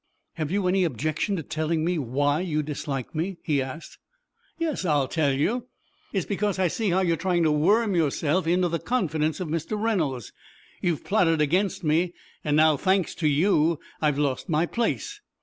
"Have you any objection to telling me why you dislike me?" he asked. "Yes, I'll tell you. It is because I see how you are trying to worm yourself into the confidence of Mr. Reynolds. You have plotted against me, and now, thanks to you, I have lost my place."